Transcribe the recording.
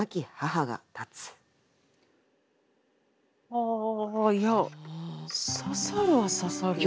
ああいや刺さるは刺さる。